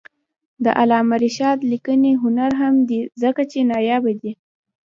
د علامه رشاد لیکنی هنر مهم دی ځکه چې نایابه دی.